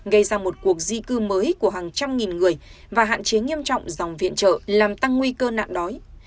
gây ra một cuộc di cư mới của hàng trăm nghìn người và hạn chế nghiêm trọng dòng viện trợ làm tăng nguy cơ nạn đói